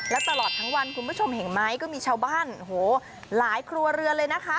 และตลอดทั้งวันคุณผู้ชมเห็นไหมก็มีชาวบ้านหลายครัวเรือนเลยนะคะ